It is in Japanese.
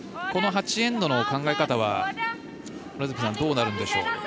この８エンドの考え方はどうなるんでしょう？